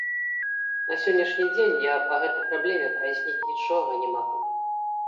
На сённяшні дзень я па гэтай праблеме праясніць нічога не магу.